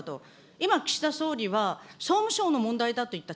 今、岸田総理は、総務省の問題だと言った。